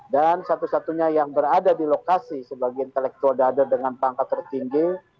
dan satu satunya yang berada di lokasi sebagai intelektual dader dengan pangkat tertinggi